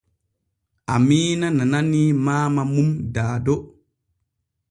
Amiina nananii Maama mum Dado.